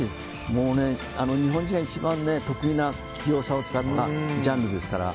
もう日本人が一番得意な器用さを使ったジャンルですから。